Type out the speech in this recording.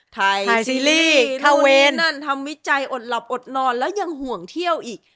ไทยซีรีส์ทเวนั่นทำวิจัยอดหลับอดนอนแล้วยังห่วงเที่ยวอีก